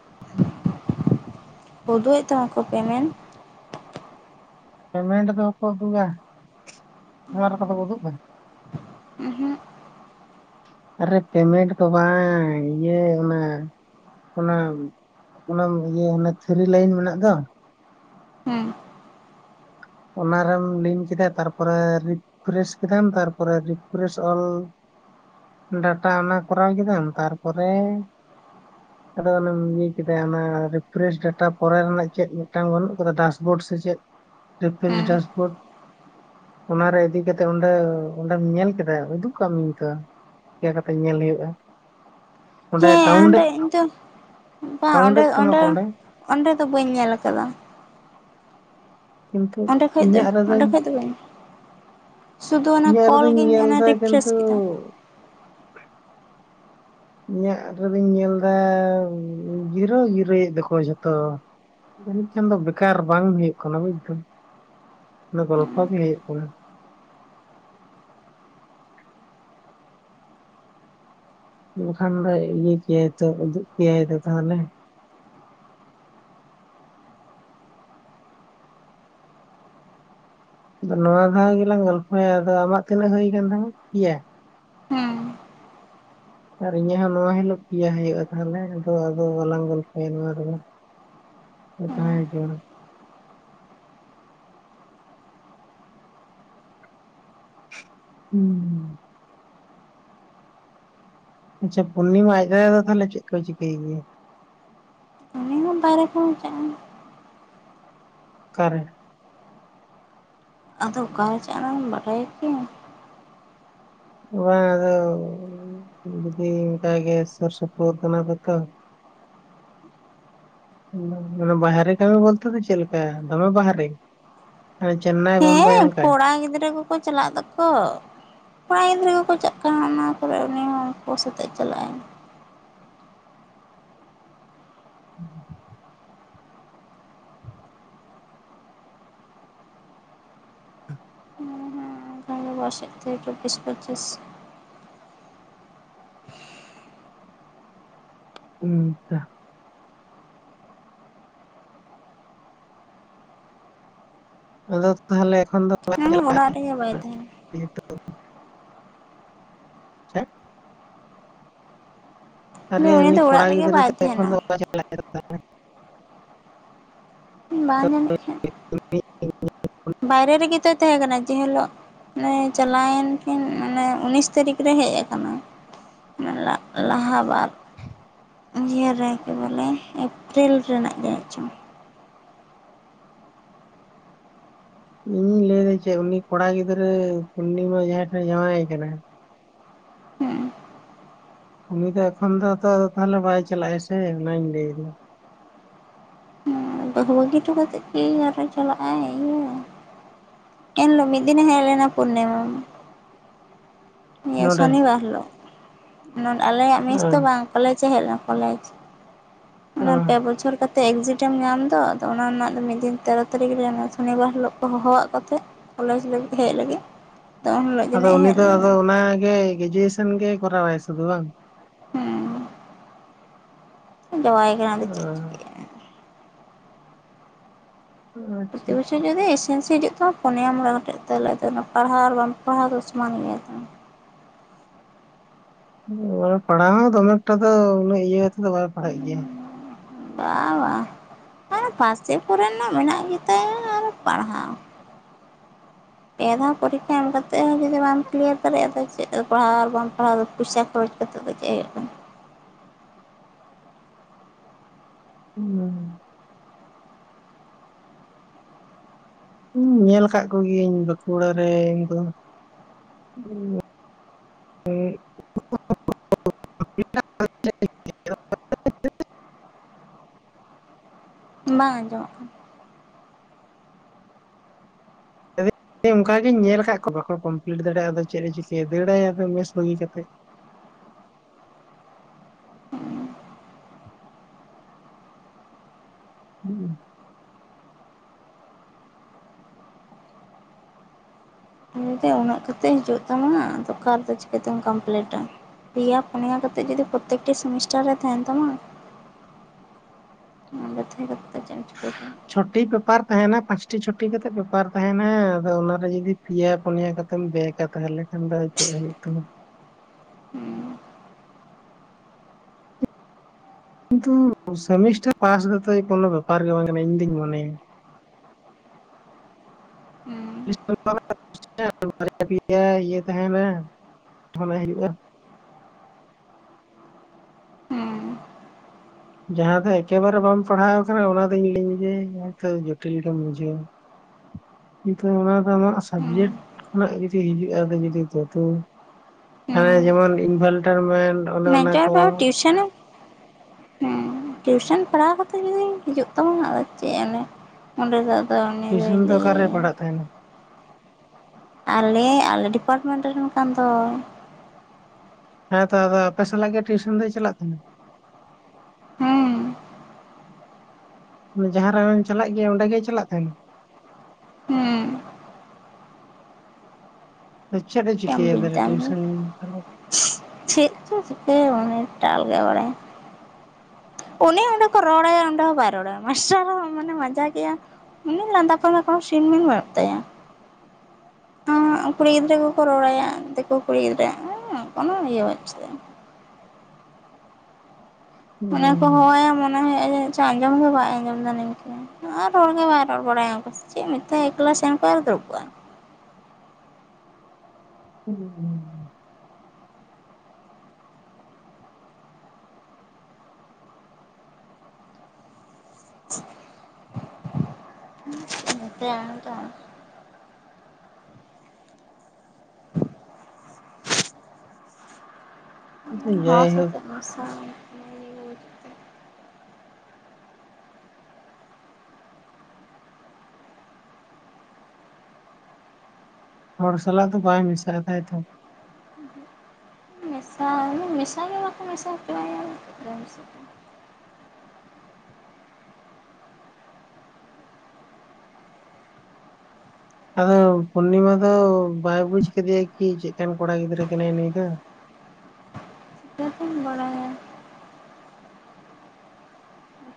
[inaudible] ᱩᱫᱩᱜ ᱮᱫ ᱛᱟᱢᱟ ᱠᱚ ᱯᱮᱢᱮᱱᱴ ᱯᱮᱢᱮᱱᱴ ᱫᱚᱠᱚ ᱩᱫᱩᱜᱟ ᱱᱚᱣᱟ ᱞᱮᱠᱟ ᱫᱚ ᱠᱚ ᱩᱫᱩᱜ-ᱟ ᱩᱸᱦᱩᱜ ᱟᱨᱮ ᱯᱮᱢᱮᱱᱴ ᱫᱚ ᱵᱟᱝ ᱤᱭᱟᱹ ᱚᱱᱟ ᱚᱱᱟ ᱚᱱᱟ ᱤᱭᱟᱹ ᱛᱷᱤᱨᱤ ᱞᱟᱹᱭᱤᱱ ᱢᱮᱱᱟᱜ ᱫᱚ ᱦᱩᱸ ᱚᱱᱟᱨᱮᱢ ᱞᱤᱱ ᱠᱮᱫᱟ ᱛᱟᱨᱯᱚᱨᱮ ᱨᱤᱯᱷᱨᱮᱥ ᱠᱮᱫᱟᱢ ᱛᱟᱨᱯᱚᱨᱮ ᱨᱤᱯᱷᱨᱮᱥ ᱚᱞ ᱰᱟᱴᱟ ᱚᱱᱟ ᱠᱚᱨᱟᱣ ᱠᱮᱫᱟᱢ ᱛᱟᱨᱯᱚᱨᱮ ᱟᱫᱚ ᱚᱱᱮᱢ ᱤᱭᱟᱹ ᱠᱮᱫᱟ ᱚᱱᱟ ᱨᱤᱯᱷᱨᱮᱥ ᱰᱟᱴᱟ ᱯᱚᱨᱮ ᱨᱮᱱᱟᱜ ᱪᱮᱫ ᱢᱤᱫᱴᱟᱝ ᱵᱟᱹᱱᱩᱜ ᱠᱟᱫᱟ ᱰᱟᱥᱵᱳᱨᱰ ᱥᱮᱪᱮᱫ ᱨᱤᱯᱷᱨᱮᱥ ᱦᱩᱸ ᱰᱟᱥᱵᱳᱨᱰ ᱚᱱᱟᱨᱮ ᱤᱫᱤ ᱠᱟᱛᱮᱜ ᱚᱸᱰᱮ ᱚᱸᱰᱮᱢ ᱧᱮᱞ ᱠᱮᱫᱟ ᱩᱫᱩᱜ ᱠᱟᱜ ᱢᱤᱭᱟᱧ ᱛᱚ ᱪᱤᱠᱟᱹ ᱠᱟᱛᱮ ᱧᱮᱞ ᱦᱩᱭᱩᱜᱼᱟ ᱚᱸᱰᱮ ᱦᱮᱸ ᱠᱟᱣᱩᱱᱴ ᱚᱸᱰᱮ ᱤᱧ ᱫᱚ ᱵᱟᱝ ᱠᱟᱣᱩᱱᱴ ᱚᱸᱰᱮ ᱮᱫ ᱛᱟᱢᱟ ᱚᱸᱰᱮ ᱠᱚ ᱚᱸᱰᱮ ᱫᱚ ᱵᱟᱹᱧ ᱧᱮᱞ ᱟᱠᱟᱫᱟ ᱠᱤᱱᱛᱩ ᱚᱸᱰᱮ ᱠᱷᱚᱡ ᱫᱚ ᱤᱧᱟᱹᱜ ᱚᱸᱰᱮ ᱨᱮᱫᱚᱧ ᱠᱷᱚᱡ ᱫᱚ ᱵᱟᱹᱧ ᱥᱩᱫᱩ ᱚᱱᱟ ᱤᱧᱟᱹᱜ ᱠᱚᱞ ᱨᱮᱫᱚᱧ ᱜᱤᱧ ᱧᱮᱞ ᱮᱫᱟ ᱨᱤᱯᱷᱨᱮᱥ ᱠᱤᱱᱛᱩ ᱠᱮᱫᱟ ᱤᱧᱟᱹᱜ ᱨᱮᱫᱚᱧ ᱧᱮᱞᱫᱟ ᱡᱤᱨᱳ ᱡᱤᱨᱳᱭᱮᱫ ᱫᱚᱠᱚ ᱡᱷᱚᱛᱚ ᱡᱟᱹᱱᱤᱡ ᱠᱷᱟᱱ ᱫᱚ ᱵᱮᱠᱟᱨ ᱵᱟᱝ ᱦᱩᱭᱩᱜ ᱠᱟᱱᱟ ᱵᱩᱡᱫᱟᱢ ᱚᱱᱟ ᱜᱚᱞᱯᱷᱚ ᱜᱮ ᱦᱩᱭᱩᱜ ᱠᱟᱱᱟ ᱮᱱᱠᱷᱟᱱ ᱫᱚᱭ ᱤᱭᱟᱹ ᱠᱮᱭᱟᱭ ᱛᱚ ᱩᱫᱩᱜ ᱠᱮᱭᱟᱭ ᱛᱚ ᱛᱟᱦᱚᱞᱮ [inaudible] ᱟᱫᱚ ᱱᱚᱣᱟ ᱫᱷᱟᱣ ᱜᱮᱞᱟᱝ ᱜᱚᱞᱯᱷᱚᱭᱟ ᱟᱫᱚ ᱟᱢᱟᱜ ᱛᱤᱱᱟᱹᱜ ᱦᱩᱭ ᱟᱠᱟᱱ ᱛᱟᱢᱟ ᱯᱮᱭᱟ ᱦᱩᱸ ᱟᱨ ᱤᱧᱟᱹᱜ ᱦᱚᱸ ᱱᱚᱣᱟ ᱦᱤᱞᱳᱜ ᱯᱮᱭᱟ ᱦᱩᱭᱩᱜᱼᱟ ᱛᱟᱦᱚᱞᱮ ᱟᱫᱚ ᱟᱫᱚ ᱵᱟᱞᱟᱝ ᱜᱚᱞᱯᱷᱚᱭᱟ ᱱᱚᱣᱟ ᱨᱮᱫᱚ ᱚ ᱦᱩᱸ ᱛᱟᱦᱮ ᱪᱚᱣᱟᱱ ᱦᱩᱸ ᱟᱪᱪᱷᱟ ᱯᱩᱨᱱᱤᱢᱟ ᱟᱡ ᱫᱟᱫᱟ ᱫᱚ ᱛᱟᱦᱚᱞᱮ ᱪᱮᱫ ᱠᱚᱭ ᱪᱤᱠᱟᱹᱭ ᱜᱮᱭᱟ ᱮᱢᱚᱱ ᱵᱟᱭᱨᱮ ᱠᱷᱚᱱ ᱪᱟᱜ-ᱟ ᱚᱠᱟᱨᱮ ᱟᱫᱚ ᱚᱠᱟ ᱨᱮ ᱪᱟᱜ-ᱟ ᱵᱟᱰᱟᱭᱟᱠᱤ ᱚᱱᱟ ᱫᱚ ᱡᱚᱫᱤ ᱚᱱᱠᱟ ᱜᱮ ᱥᱩᱨ ᱥᱩᱯᱩᱨ ᱠᱟᱱᱟ ᱠᱚᱛᱚ ᱵᱟᱦᱨᱮ ᱠᱟᱹᱢᱤ ᱵᱚᱞᱛᱮ ᱫᱚ ᱪᱮᱫ ᱞᱮᱠᱟ ᱫᱚᱢᱮ ᱵᱟᱦᱨᱮ ᱢᱟᱱᱮ ᱪᱮᱱᱱᱟᱭ ᱵᱳᱢᱵᱟᱭ ᱦᱮᱸ ᱚᱱᱠᱟ ᱠᱚᱲᱟ ᱜᱤᱫᱽᱨᱟᱹ ᱠᱚᱠᱚ ᱪᱟᱞᱟᱜ ᱫᱚᱠᱚ ᱠᱚᱲᱟ ᱜᱤᱫᱽᱨᱟᱹ ᱠᱚᱠᱚ ᱪᱟᱞ ᱚᱱᱟ ᱠᱚᱨᱮ ᱩᱱᱤ ᱦᱚᱸ ᱩᱱᱠᱩ ᱥᱟᱛᱮᱜ ᱪᱟᱞᱟᱜᱼᱟᱭ [inaudible] ᱵᱟᱨᱥᱮᱫ ᱛᱮ ᱪᱚᱵᱵᱤᱥ ᱯᱚᱸᱪᱤᱥ ᱩᱱᱛᱟ ᱟᱫᱚ ᱛᱟᱦᱚᱞᱮ ᱮᱠᱷᱚᱱ ᱫᱚ ᱦᱮᱸ ᱚᱲᱟᱜ ᱨᱮᱜᱮ ᱵᱟᱭ ᱛᱟᱦᱮᱱᱟ [inaudible] ᱪᱮᱫ ᱟᱨᱮ ᱩᱱᱤ ᱫᱚ ᱠᱚᱲᱟ ᱚᱲᱟᱜ ᱨᱮᱜᱮ ᱜᱤᱫᱽᱨᱟᱹ ᱵᱟᱭ ᱫᱚ ᱮᱠᱷᱚᱱ ᱛᱟᱦᱮᱱᱟ ᱫᱚ ᱚᱠᱚ ᱪᱟᱞᱟᱜ-ᱟᱭ ᱛᱟᱦᱚᱞᱮ ᱵᱟᱝ ᱧᱟᱢᱮᱫ ᱛᱟᱦᱮᱸᱫ ᱵᱟᱭᱨᱮ ᱨᱮᱜᱮ ᱛᱚ ᱛᱟᱦᱮᱸ ᱠᱟᱱᱟᱭ ᱡᱮ ᱦᱤᱞᱳᱜ ᱚᱱᱮ ᱪᱟᱞᱟᱣᱮᱱ ᱠᱤᱱ ᱚᱱᱮ ᱩᱱᱤᱥ ᱛᱟᱹᱨᱤᱠᱷ ᱨᱮ ᱦᱮᱡ ᱟᱠᱟᱱᱟᱭ᱾ ᱞᱟᱦᱟᱵᱟᱫ ᱱᱤᱭᱟᱹ ᱨᱮᱜᱮ ᱵᱚᱞᱮ ᱮᱯᱨᱤᱞ ᱨᱮᱱᱟᱜ ᱡᱟᱱᱤᱡ ᱪᱚ ᱤᱧ ᱞᱟᱹᱭ ᱮᱫᱟ ᱪᱮᱫ ᱩᱱᱤ ᱠᱚᱲᱟ ᱜᱤᱫᱽᱨᱟᱹ ᱯᱩᱨᱱᱤᱢᱟ ᱡᱟᱦᱟᱭ ᱴᱷᱮᱱ ᱡᱟᱶᱟᱭ ᱟᱠᱟᱱᱟ ᱩᱱᱤ ᱫᱚ ᱮᱠᱷᱚᱱ ᱫᱚ ᱛᱚ ᱛᱟᱦᱮᱞᱮ ᱵᱟᱭ ᱪᱟᱞᱟᱜᱼᱟ ᱥᱮ ᱚᱱᱟᱧ ᱞᱟᱹᱭ ᱫᱟ? [unintelligible] ᱵᱟᱹᱦᱩ ᱵᱟᱹᱜᱤ ᱴᱚ ᱠᱟᱛᱮᱜ ᱠᱤ ᱟᱨᱦᱚᱭ ᱪᱟᱞᱟᱜ ᱟᱭ ᱤᱭᱟᱹ ᱮᱱᱦᱤᱞᱳᱜ ᱢᱤᱫ ᱫᱤᱱᱮ ᱦᱮᱡ ᱞᱮᱱᱟ ᱯᱩᱨᱱᱤᱢᱟ᱾ ᱱᱤᱭᱟᱹ ᱱᱚᱰᱮ ᱥᱚᱱᱤᱵᱟᱨ ᱦᱤᱞᱳᱜ ᱱᱚ ᱟᱞᱮᱭᱟᱜ ᱢᱮᱥ ᱫᱚ ᱚᱸ, ᱵᱟᱝ ᱠᱚᱞᱮᱡᱽ ᱮ ᱦᱮᱡ ᱞᱮᱱᱟ᱾ ᱠᱚᱞᱮᱡᱽ ᱚᱱᱟ ᱚᱸ, ᱯᱮ ᱵᱚᱪᱷᱚᱨ ᱠᱟᱛᱮᱜ ᱮᱠᱡᱤᱴᱮᱢ ᱧᱟᱢ ᱛᱚ ᱟᱫᱚ ᱚᱱᱟ ᱨᱮᱱᱟᱜ ᱫᱚ ᱢᱤᱫ ᱫᱤᱱ ᱛᱮᱨᱚ ᱛᱟᱹᱨᱤᱠᱷ ᱱᱚᱣᱟ ᱥᱚᱱᱤᱵᱟᱨ ᱦᱤᱞᱳᱜ ᱠᱚ ᱦᱚᱦᱚᱣᱟᱜ ᱠᱚᱛᱮ ᱠᱚᱞᱮᱡᱽ ᱞᱟᱹ ᱦᱮᱡ ᱞᱟᱹᱜᱤᱫ [inaudible] ᱟᱫᱚ ᱩᱱ ᱦᱤᱞᱳᱜ ᱟᱫᱚ ᱡᱟᱹᱱᱤᱡ ᱩᱱᱤ ᱦᱮᱡ ᱫᱚ ᱟᱫᱚ ᱞᱮᱱᱟᱭ ᱚᱱᱟᱜᱮ ᱜᱮᱡᱩᱮ ᱥᱚᱱ ᱜᱮ ᱠᱚᱨᱟᱣ ᱟᱭ ᱥᱩᱫᱷᱩ ᱵᱟᱝ? ᱡᱟᱸᱣᱟᱭ ᱠᱟᱱᱟ ᱟᱫᱚ ᱪᱮᱫ ᱚᱸ, ᱪᱤᱠᱟᱹᱭᱟ ᱾ ᱯᱨᱚᱛᱤ ᱟᱪᱪᱷᱟ ᱵᱚᱪᱷᱚᱨ ᱟᱪᱪᱷᱟ ᱡᱩᱫᱤ ᱮᱥᱮᱢ ᱦᱤᱡᱩᱜ ᱛᱚ ᱯᱚᱱᱮᱭᱟ ᱢᱚᱬᱮ ᱜᱚᱴᱮᱜ ᱛᱟᱞᱮ ᱯᱟᱲᱦᱟᱣ ᱟᱨ ᱵᱟᱢ ᱯᱟᱲᱦᱟᱣ ᱫᱚ ᱥᱚᱢᱟᱱ ᱜᱮᱭᱟ ᱛᱚ ᱚ ᱯᱟᱲᱦᱟᱣ ᱦᱚᱸ ᱫᱚᱢᱮ ᱮᱠᱴᱟ ᱫᱚ ᱩᱱᱟᱹᱜ ᱤᱭᱟᱹᱛᱮᱫᱚ ᱵᱟᱭ ᱯᱟᱲᱦᱟᱜ ᱜᱮᱭᱟ ᱵᱟ-ᱵᱟ᱾ ᱟᱨᱦᱚ ᱯᱷᱟᱥᱮᱫ ᱠᱚᱨᱮᱱᱟᱜ ᱢᱮᱱᱟᱜ ᱜᱮᱛᱟᱭᱟ ᱟᱨ ᱯᱟᱲᱦᱟᱣ᱾ [inaudible] ᱯᱮ ᱫᱷᱟᱣ ᱯᱚᱨᱤᱠᱠᱷᱟ ᱮᱢ ᱠᱟᱛᱮ ᱦᱚᱸ ᱡᱩᱫᱤ ᱵᱟᱢ ᱠᱞᱤᱭᱟᱨ ᱫᱟᱲᱮᱭᱟᱜ-ᱟ ᱟᱫᱚ ᱪᱮᱫ ᱫᱚ ᱯᱟᱲᱦᱟᱣ ᱟᱨ ᱵᱟᱢ ᱯᱟᱲᱦᱟᱣᱜ ᱯᱩᱭᱥᱟ ᱠᱷᱚᱨᱚᱪ ᱛᱚᱵᱮ ᱪᱮᱫ ᱦᱩᱭᱩᱜ ᱛᱟᱢᱟ [inaudible] ᱦᱩᱸ ᱤᱧ ᱧᱮᱞ ᱠᱟᱜ ᱠᱚᱜᱤᱭᱟᱹᱧ ᱵᱟᱸᱠᱩᱲᱟ ᱨᱮᱱ ᱫᱚ ᱦᱩᱸ [inaudible] [unintelligible] [inaudible] ᱵᱟᱝ ᱟᱸᱡᱚᱢᱚᱜᱼᱟ ᱠᱟᱱ ᱚᱱᱠᱟᱜᱤᱧ ᱧᱮᱞ ᱟᱠᱟᱫ ᱠᱚᱣᱟ ᱵᱟᱠᱚ ᱠᱚᱢᱯᱞᱤᱴ ᱫᱟᱲᱮᱭᱟᱜᱼᱟ ᱟᱫᱚ ᱪᱮᱫ ᱮ ᱪᱤᱠᱟᱹᱭᱟ ᱫᱟᱹᱲᱟᱭ ᱢᱮᱥ ᱵᱟᱹᱜᱤ ᱠᱟᱛᱮᱜ [inaudible] ᱦᱩᱸᱜ ᱩᱱᱟᱹᱜ ᱠᱟᱛᱮᱜ ᱦᱤᱡᱩᱜ ᱛᱟᱢᱟ ᱟᱫᱚ ᱠᱟᱨᱮ ᱫᱚ ᱪᱤᱠᱟᱹᱛᱮᱢ ᱠᱟᱢᱯᱞᱤᱴᱟ ᱯᱮᱭᱟ ᱯᱚᱱᱭᱟ ᱠᱟᱛᱮᱜ ᱡᱩᱫᱤ ᱯᱨᱚᱛᱛᱮᱠ ᱥᱮᱢᱤᱥᱴᱟᱨ ᱨᱮ ᱛᱟᱸᱦᱮᱱ ᱛᱟᱢᱟ᱾ [inaudible] [inaudible] ᱠᱮᱭᱟ ᱪᱷᱚᱴᱤ ᱯᱮᱯᱟᱨ ᱛᱟᱦᱮᱱᱟ ᱯᱟᱸᱪ ᱴᱤ ᱪᱷᱚᱴᱤ ᱠᱟᱛᱮᱜ ᱵᱮᱯᱟᱨ ᱛᱟᱦᱮᱱᱟ ᱟᱫᱚ ᱚᱱᱟᱨᱮ ᱡᱩᱫᱤ ᱯᱮᱭᱟ ᱯᱚᱱᱮᱭᱟ ᱠᱟᱛᱮᱢ ᱵᱮᱜ-ᱟ ᱛᱟᱦᱮᱞᱮ ᱠᱷᱟᱱ ᱫᱚ ᱪᱮᱫ [unintelligible] ᱦᱩᱸ ᱠᱤᱱᱛᱩ ᱥᱮᱢᱤᱥᱴᱟᱨ ᱯᱟᱥ ᱫᱚ ᱛᱚ ᱠᱚᱱᱳ ᱵᱮᱯᱟᱨ ᱜᱮ ᱵᱟᱝ ᱠᱟᱱᱟ ᱤᱧ ᱫᱩᱧ ᱢᱚᱱᱮᱭᱟ᱾ ᱦᱩᱸ [inaudible] ᱤᱭᱟᱹ ᱛᱟᱦᱮᱱᱟ ᱫᱷᱟᱱᱟ ᱦᱳᱭᱳᱜᱼᱟ᱾ ᱡᱟᱦᱟᱸ ᱫᱚ ᱮᱠᱮᱵᱟᱨᱮ ᱵᱟᱢ ᱯᱟᱲᱦᱟᱣ ᱠᱟᱱᱟ ᱚᱱᱟ ᱫᱚᱧ ᱞᱟᱹᱭᱟᱹᱧ ᱡᱮᱛᱟᱹᱣ ᱡᱚᱴᱤᱞ ᱜᱮᱢ ᱵᱩᱡᱷᱟᱹᱣᱟ᱾ [inaudible] ᱚᱱᱟ ᱫᱚ ᱟᱢᱟᱜ ᱦᱩᱸ ᱥᱟᱵᱡᱮᱠᱴ ᱦᱩᱸ ᱠᱷᱚᱱᱟᱜ ᱡᱩᱫᱤ ᱦᱤᱡᱩᱜᱼᱟ ᱟᱫᱚ ᱡᱩᱫᱤ ᱛᱟᱹᱣ ᱦᱮᱸ ᱦᱩᱸ ᱡᱮᱢᱚᱱ ᱤᱱᱵᱷᱟᱨᱴᱟᱨᱢᱮᱱᱴ ᱚᱱᱮ ᱚᱱᱟ ᱢᱮᱡᱚᱨ ᱠᱚ ᱫᱚ ᱴᱤᱭᱩᱥᱚᱱ ᱦᱩᱸ ᱴᱤᱭᱩᱥᱚᱱ ᱯᱟᱲᱦᱟᱣ ᱠᱟᱛᱮ ᱡᱩᱫᱤ ᱦᱤᱡᱩᱜ ᱛᱟᱢ ᱟᱫᱚ ᱪᱮᱫ ᱮᱢ ᱞᱟᱹᱭᱟ ᱚᱸᱰᱮ ᱫᱚ ᱴᱤᱭᱩᱥᱚᱱ ᱫᱚ ᱚᱠᱟᱨᱮ [unintelligible] ᱯᱟᱲᱦᱟᱜ ᱛᱟᱦᱮᱱᱟ ᱟᱞᱮ-ᱟᱞᱮ ᱰᱤᱯᱟᱨᱴᱢᱮᱱᱴ ᱨᱮᱱ ᱠᱟᱱ ᱫᱚᱭ ᱦᱮᱸᱛᱚ ᱟᱫᱚ ᱟᱯᱮ ᱥᱟᱞᱟᱜᱮ ᱴᱤᱭᱩᱥᱚᱱ ᱫᱚᱭ ᱪᱟᱞᱟᱜ ᱠᱟᱱᱟ᱾ [inaudible] ᱦᱩᱸ ᱚᱱᱮ ᱡᱟᱦᱟᱸ ᱟᱢᱮᱢ ᱪᱟᱞᱟᱜ ᱜᱮᱭᱟ ᱚᱸᱰᱮ ᱜᱮᱭ ᱪᱟᱞᱟᱜ ᱛᱟᱦᱮᱱᱟ᱾ ᱦᱩᱸ ᱪᱮᱫ ᱮ ᱮᱢ ᱪᱤᱠᱟᱹᱭᱟ ᱵᱩᱡᱽ ᱛᱟᱦᱞᱮ ᱫᱟ ᱟᱢ ᱫᱚ ᱴᱤᱭᱩᱥᱚᱱ ᱪᱟᱞᱟᱣ ᱪᱮᱫ ᱪᱚ ᱪᱤᱠᱟᱹ ᱩᱱᱤ ᱴᱟᱞ ᱜᱮ ᱵᱟᱲᱟᱭᱟ᱾ ᱩᱱᱤ ᱚᱸᱰᱮ ᱠᱚ ᱨᱚᱲᱟᱭᱟ ᱚᱸᱰᱮ ᱦᱚᱸ ᱵᱟᱭ ᱨᱚᱲᱟ ᱢᱟᱥᱴᱟᱨ ᱦᱚᱸ ᱮᱢᱚᱱ ᱢᱟᱡᱟᱜ ᱜᱮᱭᱟ ᱩᱱᱟᱹᱜ ᱞᱟᱸᱫᱟ ᱠᱷᱚᱱ ᱠᱚᱱᱳ ᱥᱤᱱ ᱢᱤᱱ ᱵᱟᱹᱱᱩᱜ ᱛᱟᱭᱟ᱾ ᱠᱩᱲᱤ ᱜᱤᱫᱽᱨᱟᱹ ᱠᱚᱠᱚ ᱨᱚᱲᱟᱭᱟ ᱫᱤᱠᱩ ᱠᱩᱲᱤ ᱜᱤᱫᱽᱨᱟᱹ ᱚᱱᱟ ᱤᱭᱟᱹ ᱵᱟᱪᱩᱜᱼᱟ ᱾ ᱦᱟᱱᱮ ᱠᱚ ᱦᱚᱦᱚᱭᱟ ᱢᱚᱱᱮ ᱦᱩᱭᱩᱜᱟ ᱟᱸᱡᱚᱢ ᱫᱚ ᱵᱟᱭ ᱟᱸᱡᱚᱢ ᱫᱟ ᱱᱤᱝᱠᱟᱹ ᱟᱨ ᱨᱚᱲᱜᱮ ᱵᱟᱭ ᱨᱚᱲ ᱵᱟᱲᱟᱭᱟ ᱪᱮᱫ ᱢᱤᱛᱟᱭᱟ ᱮᱠᱞᱟ ᱥᱮᱱ ᱠᱚᱜᱼᱟ ᱟᱨ ᱫᱩᱲᱩᱵᱚᱜᱼᱟ᱾ [unintelligible] [unintelligible] ᱦᱩᱸ ᱦᱚᱨ ᱥᱮᱡ ᱡᱟᱭᱦᱳᱠ ᱛᱮ [unintelligible] ᱦᱚᱲ ᱥᱟᱞᱟ ᱫᱚ ᱵᱟᱭ ᱢᱮᱥᱟᱭ ᱛᱟᱭ ᱛᱚ ᱢᱮᱥᱟᱭᱟᱧ ᱢᱮᱥᱟ ᱜᱮ ᱵᱟᱠᱚ ᱢᱮᱥ ᱟᱪᱳᱣᱭᱟ ᱟᱨ ᱪᱮᱫ ᱫᱚ ᱢᱮᱥᱟ ᱟᱫᱚ ᱯᱩᱨᱱᱤᱢᱟ ᱫᱚ ᱵᱟᱭ ᱵᱩᱡ ᱠᱟᱫᱮᱭᱟ ᱠᱤ ᱪᱮᱫᱠᱟᱱ ᱠᱚᱲᱟ ᱜᱤᱫᱽᱨᱟᱹ ᱠᱟᱱᱟᱭ ᱱᱩᱭ ᱫᱚ᱾ [inaudible] ᱪᱤᱠᱟᱹᱛᱮᱢ ᱵᱟᱲᱟᱭᱟ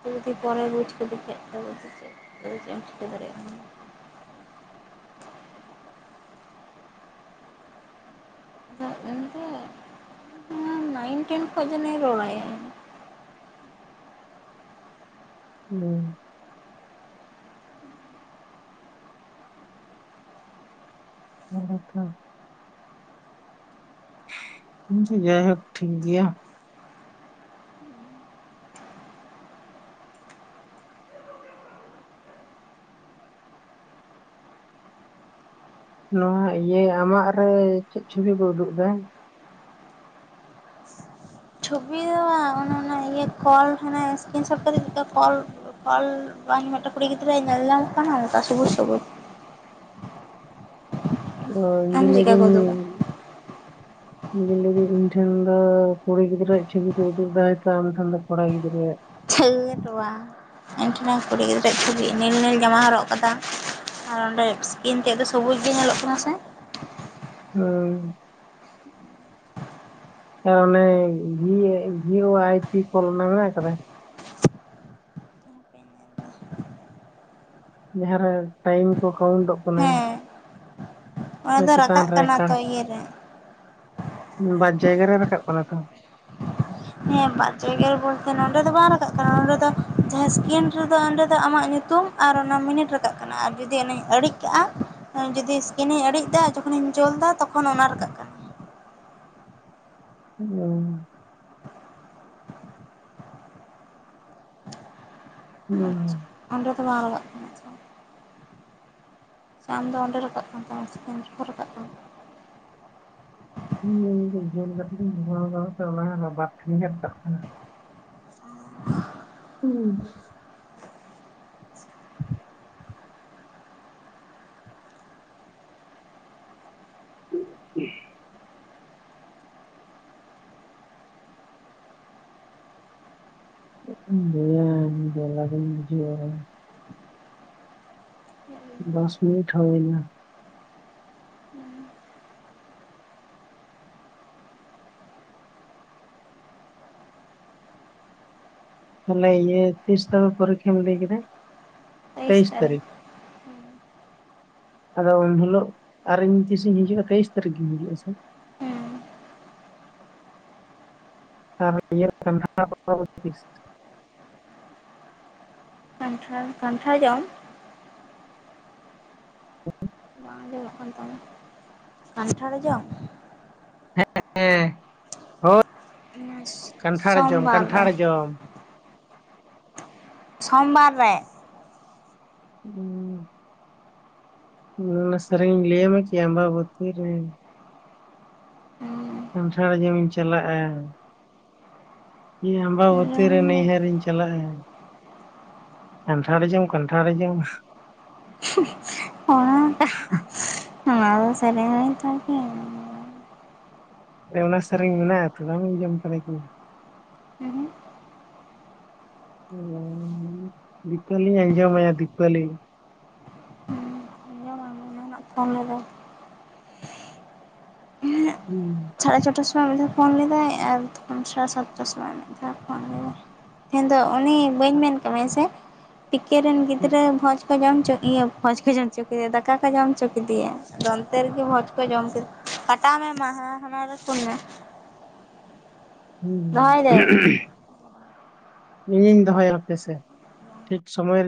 ᱡᱩᱫᱤ ᱯᱚᱨᱮ ᱵᱩᱡ ᱠᱤᱫᱤᱠᱷᱟᱡ ᱫᱚ ᱪᱮᱫ ᱮᱢ ᱪᱮᱠᱟᱹ ᱫᱟᱲᱮᱭᱟᱜᱼᱟ᱾ ᱫᱚ ᱮᱱᱛᱮ [unintelligible] ᱴᱷᱮᱱ ᱠᱷᱚᱪ ᱫᱚ ᱱᱩᱭ ᱨᱚᱲ ᱟᱭ ᱦᱩᱸ ᱟᱛᱷᱟ [unintelligible] ᱢᱩᱸ ᱛᱮ ᱡᱟᱭᱦᱳᱠ ᱴᱷᱤᱠ ᱜᱮᱭᱟ᱾ ᱱᱚᱣᱟ ᱤᱭᱟᱹ ᱟᱢᱟᱜ ᱨᱮ ᱪᱮᱫ ᱪᱷᱩᱵᱤ ᱠᱚ ᱩᱫᱩᱜ ᱮᱫᱟ? ᱪᱷᱚᱵᱤ ᱫᱚ ᱵᱟ ᱚᱱᱚᱱᱟ ᱤᱭᱟᱹ ᱠᱚᱞ ᱠᱷᱚᱱᱟᱜ ᱥᱠᱨᱤᱱᱥᱚᱴ ᱠᱟᱛᱮ ᱪᱮᱫ ᱞᱮᱠᱟ ᱠᱚᱞ ᱠᱚᱞ ᱡᱚᱢ ᱢᱚᱴᱟ ᱠᱩᱲᱤ ᱜᱤᱫᱽᱨᱟᱹ ᱧᱮᱞᱚᱜ ᱛᱟᱦᱮᱸ ᱢᱚᱴᱟ ᱥᱩᱜᱩᱨ ᱥᱩᱜᱩᱨ [inaudible] ᱦᱚᱸ ᱤᱧ ᱟᱢ ᱜᱤᱧ ᱞᱟᱹᱭ ᱪᱮᱫᱠᱟ ᱫᱟᱹᱧ ᱠᱚ ᱩᱫᱩᱜᱟ ᱤᱧ ᱞᱟᱹᱭ ᱤᱧ ᱴᱷᱮᱱ ᱫᱚ ᱠᱩᱲᱤ ᱜᱤᱫᱽᱨᱟᱹᱣᱟᱜ ᱪᱷᱚᱵᱤ ᱠᱚ ᱩᱫᱩᱜ ᱮᱫᱟ ᱟᱢ ᱴᱷᱮᱱ ᱫᱚ ᱠᱚᱲᱟ ᱜᱤᱫᱽᱨᱟᱹᱣᱟᱜ ᱪᱷᱟᱞ ᱱᱮᱴᱣᱟ ᱮᱱ ᱴᱷᱮᱱᱟᱠ ᱠᱩᱲᱤ ᱜᱤᱫᱽᱨᱟᱹ ᱪᱷᱚᱵᱤ ᱱᱮᱞ ᱱᱮᱞ ᱡᱟᱢᱟ ᱦᱚᱨᱚᱜ ᱠᱟᱫᱟ᱾ ᱟᱨ ᱚᱸᱰᱮ ᱥᱠᱤᱱ ᱛᱮ ᱫᱚ ᱥᱚᱵᱩᱡ ᱜᱮ ᱧᱮᱞᱚᱜ ᱠᱟᱱᱟ ᱥᱮ? ᱦᱮᱸ ᱦᱮᱸ ᱚᱱᱮ ᱵᱷᱤ ᱳ ᱟᱭ ᱯᱤ ᱠᱚ ᱚᱞ ᱚᱱᱟ ᱢᱮᱱᱟᱜ ᱟᱠᱟᱫᱟ᱾ ᱡᱟᱦᱟᱸᱨᱮ ᱴᱟᱭᱤᱢ ᱠᱚ ᱠᱟᱣᱩᱱᱴᱚᱜ ᱠᱟᱱᱟ᱾ ᱦᱮᱸ ᱚᱱᱟ ᱫᱚ ᱪᱮᱛᱟᱱ ᱨᱟᱠᱟᱵ ᱨᱮ ᱠᱟᱱᱟ ᱠᱟᱬ ᱛᱚ ᱤᱭᱟᱹ ᱨᱮ ᱵᱟᱨ ᱡᱟᱭᱜᱟ ᱨᱮ ᱨᱟᱠᱟᱵ ᱠᱟᱱᱟ ᱛᱚ? ᱦᱮᱸ ᱵᱟᱨ ᱡᱟᱭᱜᱟ ᱨᱮ ᱵᱚᱞᱛᱮ ᱱᱚᱰᱮ ᱫᱚ ᱵᱟᱝ ᱨᱟᱠᱟᱵ ᱠᱟᱱᱟ ᱱᱚᱸᱰᱮ ᱫᱚ ᱡᱟᱦᱟᱸ ᱥᱠᱤᱱ ᱨᱮᱫᱚ ᱚᱸᱰᱮ ᱫᱚ ᱟᱢᱟᱜ ᱧᱩᱛᱩᱢ ᱧᱩᱛᱩᱢ ᱟᱨ ᱚᱱᱟ ᱢᱤᱱᱤᱴ ᱨᱟᱠᱟᱵ ᱠᱟᱱᱟ ᱟᱨ ᱡᱩᱫᱤ ᱚᱱᱟᱧ ᱟᱲᱤᱡ ᱠᱟᱜᱼᱟ ᱡᱩᱫᱤ ᱥᱠᱤᱱᱤᱧ ᱤᱲᱤᱡ ᱮᱫᱟ ᱡᱚᱠᱷᱚᱱᱤᱧ ᱡᱩᱞ ᱮᱫᱟ ᱛᱚᱠᱷᱚᱱ ᱚᱱᱟ ᱨᱟᱠᱟᱵ ᱠᱟᱱᱟ ᱜᱮᱭᱟ ᱦᱩᱸ, ᱦᱩᱸ ᱱᱚᱸᱰᱮ ᱠᱷᱚᱱ ᱫᱚ ᱵᱟᱝ ᱞᱟᱜ ᱠᱟᱱᱟ ᱥᱮ ᱟᱢ ᱫᱚ ᱚᱸᱰᱮ ᱨᱟᱠᱟᱵ ᱠᱟᱱ ᱛᱟᱢᱟ ᱥᱮᱠᱮᱢ ᱨᱮᱠᱚ ᱨᱟᱠᱟᱵ ᱠᱟᱱᱟ [unintelligible] ᱦᱩᱸ [unintelligible] ᱫᱚᱥ ᱢᱤᱱᱤᱴ ᱦᱩᱭᱱᱟ᱾ ᱛᱟᱦᱮᱞᱮ ᱤᱭᱟᱹ ᱛᱤᱥ ᱛᱚᱵᱮ ᱯᱚᱨᱤᱠᱷᱟ ᱞᱟᱹᱭ ᱠᱮᱫᱟ? ᱛᱟᱤᱥ ᱛᱟᱨᱤᱠᱷ ᱟᱫᱚ ᱩᱱᱦᱤᱞᱳᱜ ᱟᱨ ᱤᱧ ᱛᱤᱥ ᱤᱧ ᱦᱤᱡᱩᱜᱼᱟ ᱛᱟᱭᱤᱥ ᱛᱟᱹᱨᱤᱠᱷ ᱜᱤᱧ ᱦᱤᱡᱩᱜᱼᱥᱮ? [inaudible] ᱦᱮᱸ ᱟᱨ [inaudible] ᱠᱟᱱᱴᱷᱟᱲ, ᱠᱟᱱᱴᱷᱟᱲ ᱡᱚᱢ? ᱦᱮ ᱵᱟᱝ ᱠᱟᱱᱴᱷᱟᱲ ᱡᱚᱢ ᱦᱮᱸ ᱦᱮᱸ ᱦᱳ ᱠᱟᱱᱴᱷᱟᱲ ᱡᱚᱢ ᱥᱳᱢᱵᱟᱨ ᱨᱮ ᱠᱟᱱᱴᱷᱟᱲ ᱡᱚᱢ ᱥᱳᱢᱵᱟᱨ ᱨᱮ [unintelligible] ᱦᱩᱸ ᱚᱱᱟ ᱥᱮᱨᱮᱧ ᱤᱧ ᱞᱟᱹᱭ ᱟᱢᱟᱠᱤ ᱟᱸᱵᱟᱵᱚᱛᱤᱨᱮ ᱦᱩᱸ ᱠᱟᱱᱴᱷᱟᱲ ᱡᱚᱢ ᱤᱧ ᱪᱟᱞᱟᱜᱼᱟ᱾ ᱤᱧ ᱞᱟᱹᱭ ᱟᱢᱵᱟᱵᱚᱛᱤᱨ ᱨᱮ ᱢᱮ ᱱᱟᱹᱭᱦᱟᱹᱨ ᱤᱧ ᱪᱟᱞᱟᱜᱼᱟ᱾ ᱠᱟᱱᱴᱷᱟᱲ ᱡᱚᱢ ᱠᱟᱱᱴᱷᱟᱲ ᱡᱚᱢ ᱚᱱᱟ ᱫᱚ ᱥᱮᱨᱮᱧ ᱦᱩᱭ ᱮᱱ ᱛᱟᱢᱟ ᱠᱤ? ᱚᱱᱟ ᱥᱮᱨᱮᱧ ᱢᱮᱱᱟᱜ ᱟᱛᱚ ᱵᱟᱢ ᱟᱸᱡᱚᱢ ᱠᱟᱫᱟ ᱠᱤ ᱦᱩᱸ ᱫᱤᱯᱟᱹᱞᱤᱧ ᱟᱸᱡᱚᱢ ᱟᱭᱟ ᱫᱤᱯᱟᱹᱞᱤ [unintelligible] ᱯᱷᱳᱱ ᱞᱮᱫᱟᱭ ᱥᱟᱲᱮ ᱪᱷᱚᱴᱟ ᱥᱚᱢᱚᱭ ᱥᱚᱢᱳᱚᱭ ᱢᱤᱫ ᱫᱷᱟᱣ ᱯᱷᱳᱱ ᱞᱮᱫᱟᱭ ᱟᱨ ᱯᱟᱸᱪᱴᱟ ᱥᱟᱛᱴᱟ ᱥᱚᱢᱚᱭ ᱢᱤᱫ ᱫᱷᱟᱣ ᱯᱷᱳᱱ ᱞᱮᱫᱟᱭ ᱛᱮᱦᱮᱧ ᱫᱚ ᱩᱱᱤ ᱵᱟᱹᱧ ᱢᱮᱱ ᱠᱟᱜ ᱢᱮᱭᱟ ᱥᱮ? ᱯᱤᱠᱮ ᱨᱮᱱ ᱜᱤᱫᱽᱨᱟᱹ ᱵᱷᱚᱡᱽ ᱵᱷᱚᱡᱽ ᱠᱚ ᱡᱚᱢ ᱦᱚᱪᱚ ᱠᱚᱫᱚᱭᱟ ᱫᱟ ᱠᱚ ᱡᱚᱢ ᱚᱪᱚ ᱠᱮᱫᱮᱭᱟ ᱚᱱᱛᱮ ᱨᱮᱜᱮ ᱵᱷᱚᱡᱽ ᱠᱚ ᱡᱚᱢ ᱠᱮᱫ ᱠᱟᱴᱟᱣ ᱢᱮ ᱦᱟᱱᱟ ᱨᱮ ᱯᱷᱳᱱ ᱢᱮ ᱫᱚᱦᱚᱭ ᱦᱩᱸ ᱫᱟᱹᱧ ᱤᱧᱤᱧ ᱫᱚᱦᱚᱭᱟ ᱦᱟᱯᱮᱥᱮ ᱴᱷᱤᱠ ᱥᱚᱢᱚᱭ ᱨᱮ